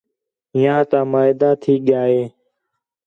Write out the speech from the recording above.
ہِیّاں تا معاہدہ تھی ڳِیا ہِے